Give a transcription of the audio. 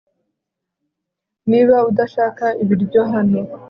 niba udashaka ibiryo hano